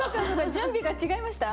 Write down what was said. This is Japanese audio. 準備が違いました？